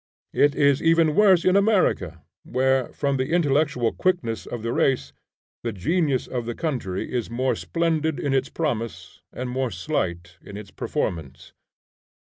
It is even worse in America, where, from the intellectual quickness of the race, the genius of the country is more splendid in its promise and more slight in its performance.